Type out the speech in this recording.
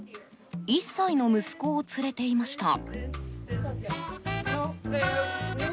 １歳の息子を連れていました。